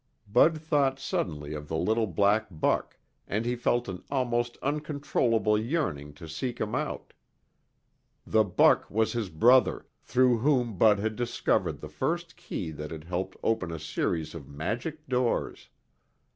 Bud thought suddenly of the little black buck, and he felt an almost uncontrollable yearning to seek him out. The buck was his brother, through whom Bud had discovered the first key that had helped open a series of magic doors.